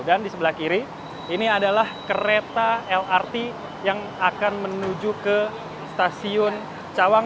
dan di sebelah kiri ini adalah kereta lrt yang akan menuju ke stasiun cawang